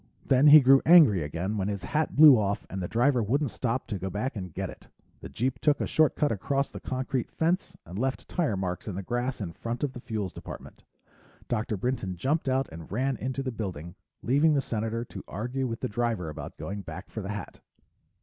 Then he grew angry again when his hat blew off and the driver wouldn't stop to go back and get it. The jeep took a shortcut across the concrete fence, and left tire marks in the grass in front of the Fuels Department. Dr. Brinton jumped out and ran into the building, leaving the Senator to argue with the driver about going back for the hat.